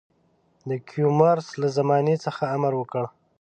د کیومرث له زمانې څخه امر وکړ.